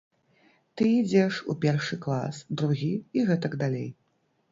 Ты ідзеш у першы клас, другі і гэтак далей.